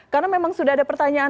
karena memang sudah ada pertanyaan